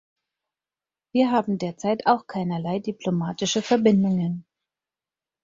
Wir haben derzeit auch keinerlei diplomatische Verbindungen.